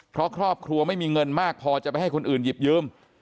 เพราะครอบครัวไม่มีเงินมากพอจะไปให้คนอื่นหยิบยืม